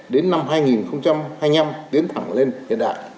đến năm hai nghìn hai mươi năm tiến thẳng lên hiện đại